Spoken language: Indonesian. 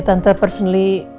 tante terima kasih